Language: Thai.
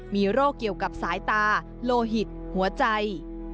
มีโรคเกี่ยวกับสายตาโลหิตหัวใจ